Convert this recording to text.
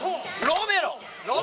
ロメロ。